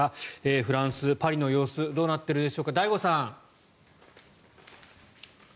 フランス・パリの様子どうなっているでしょうか醍醐さん。